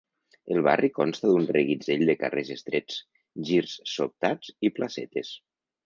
El barri consta d'un reguitzell de carrers estrets, girs sobtats, i placetes.